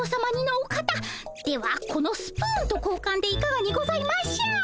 このスプーンと交換でいかがにございましょう？